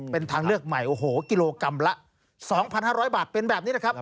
เป็นทางเลือกใหม่โอ้โหกิโลกรัมละ๒๕๐๐บาทเป็นแบบนี้นะครับ